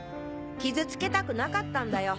傷つけたくなかったんだよ